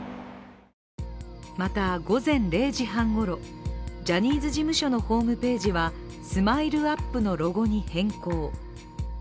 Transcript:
また午前０時半頃、ジャニーズ事務所のホームページはＳＭＩＬＥ−ＵＰ．のロゴに変更。